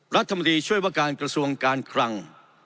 รัฐมนตรีช่วยว่าการกระทรวงการคลัง